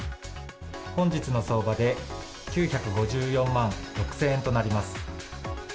本日の相場で、９５４万６０００円となります。